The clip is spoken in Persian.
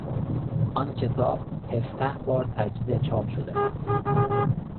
آن کتاب هفده بار تجدید چاپ شده است.